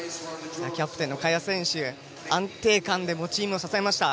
キャプテンの萱選手安定感でチームを支えました。